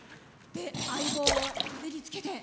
相棒を腕につけて。